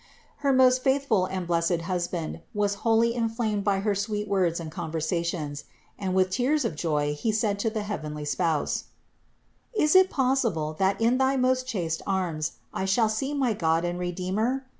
429. Her most faithful and blessed husband was wholly inflamed by her sweet words and conversations, and with tears of joy he said to the heavenly Spouse : "Is it possible, that in thy most chaste arms I shall see my God and Redeemer?